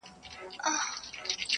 قانون په عادلانه